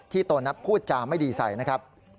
โตนัทพูดจาไม่ดีใส่นะครับ